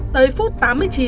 tới phút tám mươi chín